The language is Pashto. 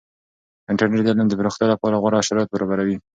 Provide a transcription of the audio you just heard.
انټرنیټ د علم د پراختیا لپاره غوره شرایط برابروي.